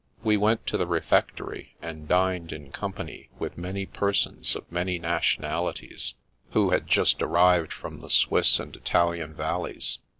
We went to the refectory and dined in company with many persons of many nationalities, who had just arrived from the Swiss and Italian valleys.